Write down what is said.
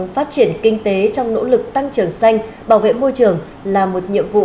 phát triển kinh tế trong nỗ lực tăng trưởng xanh bảo vệ môi trường là một nhiệm vụ